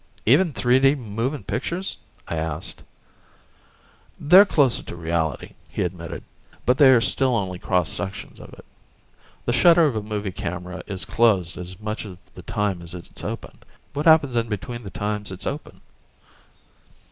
"Even 3 D moving pictures?" I asked. "They're closer to reality," he admitted. "But they are still only cross sections of it. The shutter of a movie camera is closed as much of the time as it is open. What happens in between the times it's open?